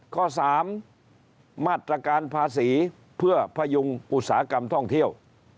ข้อ๓มาตรการภาษีเพื่อพยุงอุตสาหกรรมท่องเที่ยว